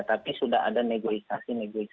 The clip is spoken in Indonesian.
tapi sudah ada negosiasi mengenai itu